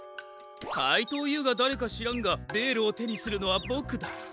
かいとうＵがだれかしらんがベールをてにするのはボクだ。